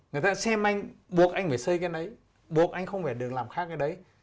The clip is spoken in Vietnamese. người ta xem anh buộc anh phải xây cái đấy buộc anh không phải được làm khác cái đấy